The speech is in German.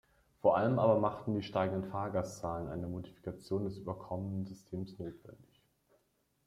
Vor allem aber machten die steigenden Fahrgastzahlen eine Modifikation des überkommenen Systems notwendig.